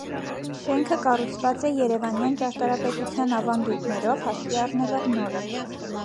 Շենքը կառուցված է երևանյան ճարտարապետության ավանդույթներով՝ հաշվի առնելով նորը։